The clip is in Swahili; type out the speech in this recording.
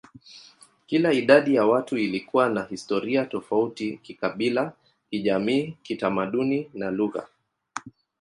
Kila idadi ya watu ilikuwa na historia tofauti kikabila, kijamii, kitamaduni, na lugha.